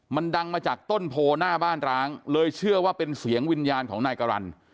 มันดังมาจากต้นโพหน้าบ้านร้างเลยเชื่อว่าเป็นเสียงวิญญาณของนายกรรณ